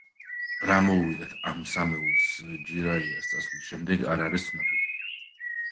რა მოუვიდათ ამ სამეულს ჯირაიას წასვლის შემდეგ, არ არის ცნობილი.